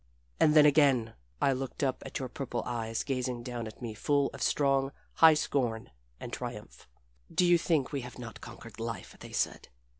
And then again I looked up at your purple eyes gazing down at me full of strong, high scorn and triumph. "Do you think we have not conquered life?" they said.